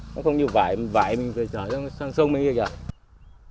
nó không như vải vải mình phải trở sang sông mình đi được chứ